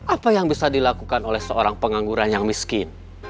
apa yang bisa dilakukan oleh seorang pengangguran yang miskin